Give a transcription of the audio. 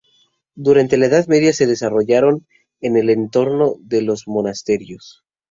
Durante la Edad Media se desarrollaron en el entorno de los monasterios.